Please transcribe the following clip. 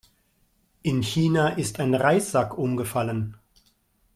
In China ist ein Reissack umgefallen.